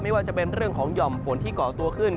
ว่าจะเป็นเรื่องของห่อมฝนที่เกาะตัวขึ้น